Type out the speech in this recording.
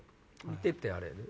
見ててあれやろ。